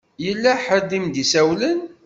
Yella ḥedd i m-d-isawlen?